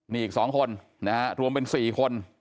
นี่อีกสองคนนะฮะรวมเป็นสี่คน